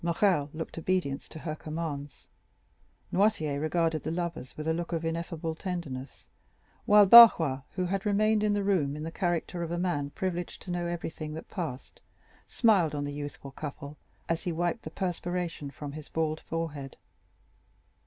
Morrel looked obedience to her commands. Noirtier regarded the lovers with a look of ineffable tenderness, while Barrois, who had remained in the room in the character of a man privileged to know everything that passed, smiled on the youthful couple as he wiped the perspiration from his bald forehead.